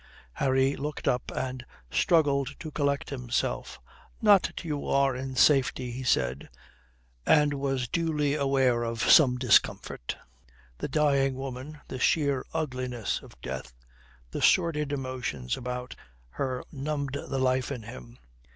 Harry looked up and struggled to collect himself. "Not till you are in safety," he said, and was dully aware of some discomfort. The dying woman, the sheer ugliness of death, the sordid emotions about her numbed the life in him.